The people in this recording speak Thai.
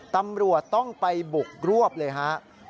ตำรวจต้องไปบุกรวบเลยครับ